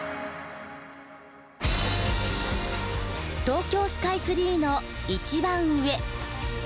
東京スカイツリーの一番上。